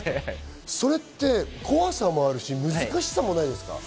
それって怖さもあるし、難しさもないですか？